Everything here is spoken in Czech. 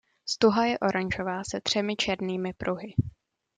Stuha je oranžová se třemi černými pruhy.